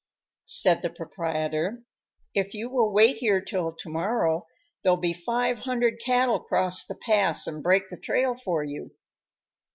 Said the proprietor, "If you will wait here till to morrow, there'll be five hundred cattle cross the pass and break the trail for you."